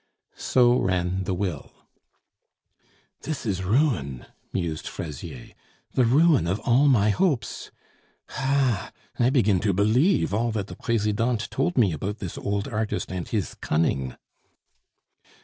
So ran the will. "This is ruin!" mused Fraisier, "the ruin of all my hopes. Ha! I begin to believe all that the Presidente told me about this old artist and his cunning."